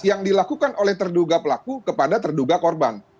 yang dilakukan oleh terduga pelaku kepada terduga korban